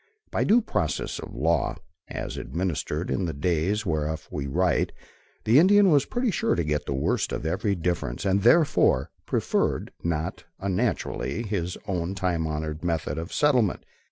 By due process of law, as administered in the days whereof we write, the Indian was pretty sure to get the worst of every difference, and therefore, preferred, not unnaturally, his own time honored methods of settlement.